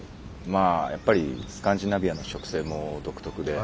まあやっぱりスカンディナビアの植生も独特で。